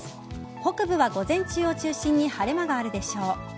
北部は午前中を中心に晴れ間があるでしょう。